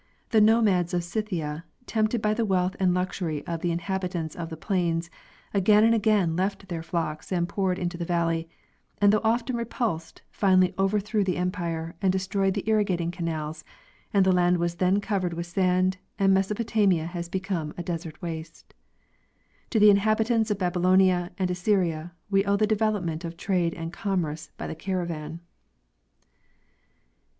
The nomads of Scythia, tempted by the wealth and luxury of the inhabitants of the plains, again and again left their flocks and poured into the valley, and though often repulsed, finally overthrew the empire and destroyed the irrigating canals; the land was then covered with sand, and Mesopotamia has become a desert waste. To the inhabitants of Babylonia and Assyria we owe the de velopment of trade and commerce by the caravan.